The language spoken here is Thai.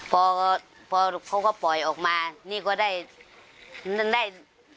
พอพอเขาก็ปล่อยออกมานี่ก็ได้นั้นได้